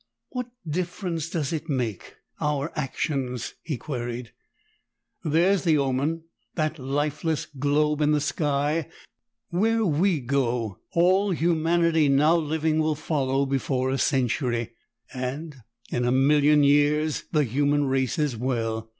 "What difference does it make our actions?" he queried. "There's the omen, that lifeless globe in the sky. Where we go, all humanity now living will follow before a century, and in a million years, the human race as well!